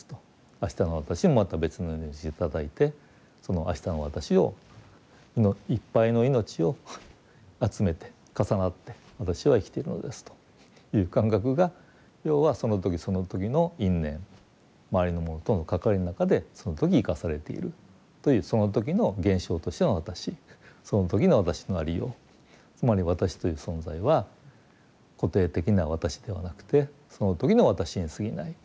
明日の私もまた別の命を頂いてその明日の私をいっぱいの命を集めて重なって私は生きているのですという感覚が要はその時その時の因縁周りのものとの関わりの中でその時生かされているというその時の現象としての私その時の私のありようつまり私という存在は固定的な私ではなくてその時の私にすぎない。